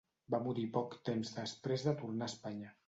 Va morir poc temps després de tornar a Espanya.